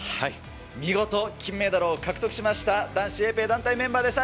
見事、金メダルを獲得しました、男子エペ団体メンバーでした。